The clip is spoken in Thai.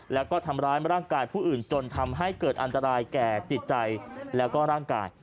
แล้วก็ทำร้ายร่างกายผู้อื่นจนทำให้เกิดอันตรายแก่จิตใจแล้วก็ร่างกาย